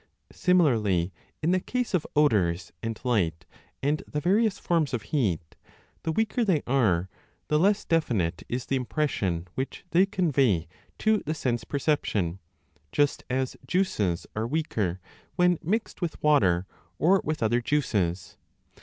Similarly, in the case of odours and light and the various forms of heat, the weaker they are, the less definite is the impression which they convey to the sense perception, just 15 as juices are weaker when mixed with water or with other juices.